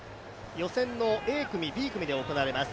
予選のＡ組、Ｂ組に分かれて行われます。